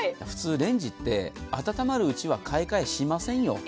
普通、レンジって温まるうちは買い替えしませんよ。